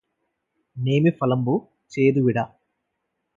నేమిఫలంబు చేదువిడ